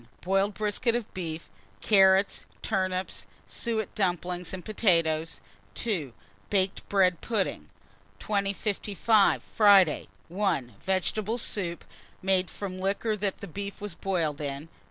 Boiled brisket of beef, carrots, turnips, suet dumplings, and potatoes. 2. Baked bread pudding. 2055. Friday. 1. Vegetable soup, made from liquor that beef was boiled in.